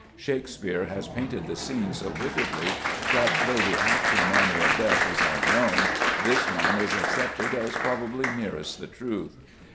Shakespeare has painted the scene so vividly that, though the actual manner of death is unknown, this one is accepted as probably nearest the truth.